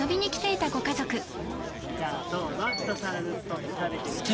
じゃあどうぞ一皿ずつ取って食べてみてください。